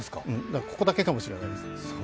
ここだけかもしれないです。